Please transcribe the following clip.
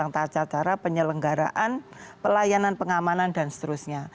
tata cara penyelenggaraan pelayanan pengamanan dan seterusnya